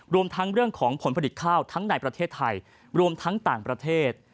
รวมทั้งเรื่องของผลผลิตข้าวทั้งในประเทศไทยรวมทั้งต่างประเทศ